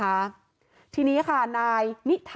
สามคนนี้ก็จะมีข้อหาประมาทเหมือนกันนะคะ